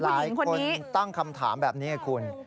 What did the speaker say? หลายคนตั้งคำถามแบบนี้ไงคุณ